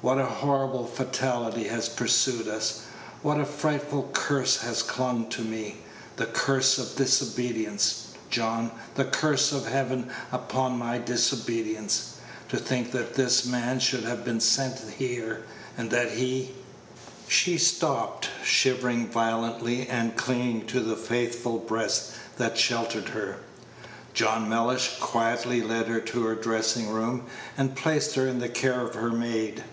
What a horrible fatality has pursued us! what a frightful curse has clung to me! The curse of disobedience, John the curse of Heaven upon my disobedience. To think that this man should have been sent here, and that he " She stopped, shivering violently, and clinging to the faithful breast that sheltered her. John Mellish quietly led her to her dressing room, and placed her in the care of her maid.